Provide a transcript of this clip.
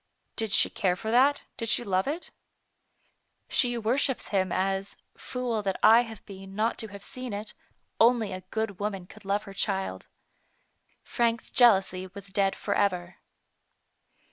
Did she care for that, did she love it ?"" She worships him as (fool that I have been not to have seen it) only a good woman could love her child." Frank's jealousy was dead forever.